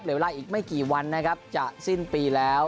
เวลาอีกไม่กี่วันนะครับจะสิ้นปีแล้ว